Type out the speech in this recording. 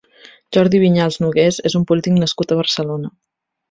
Jordi Vinyals Nogués és un polític nascut a Barcelona.